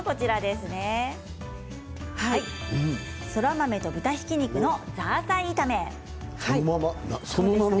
そら豆と豚ひき肉のザーサイ炒めです。